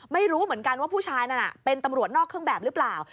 ไม่รู้เหมือนกันว่าผู้ชายนั้นเป็นตำรวจนอกเครื่องแบบหรือเปล่า